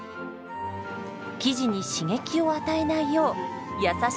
生地に刺激を与えないよう優しく丁寧に。